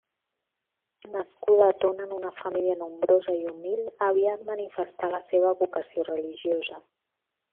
Nascuda a Tona en una família nombrosa i humil, aviat manifestà la seva vocació religiosa.